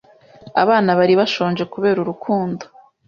Abana bari bashonje kubera urukundo.